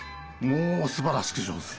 もうすばらしくじょうず！